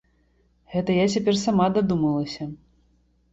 Гэта я цяпер сама дадумалася.